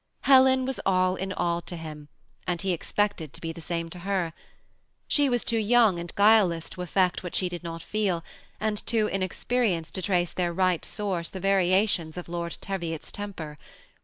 Helen was all in all to him, and he expected to be the same to her. She was too young and guileless to affect what she did not feel, and too inexperienced to trace to their right source the varia tions of Lord Teviot's temper.